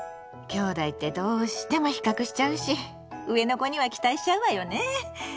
きょうだいってどうしても比較しちゃうし上の子には期待しちゃうわよね。